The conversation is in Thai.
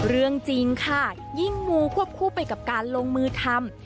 เรื่องจริงค่ะยิ่งมูควบคู่ไปกับการลงมือทำ